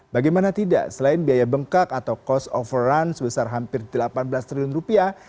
bagaimana tidak selain biaya bengkak atau cost of run sebesar hampir delapan belas triliun rupiah